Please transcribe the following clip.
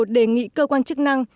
đề nghị cơ quan chức năng